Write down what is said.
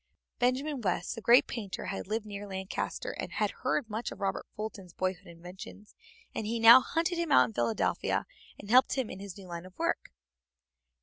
Benjamin West, the great painter, had lived near Lancaster, and had heard much of Robert Fulton's boyhood inventions, and he now hunted him out in Philadelphia, and helped him in his new line of work.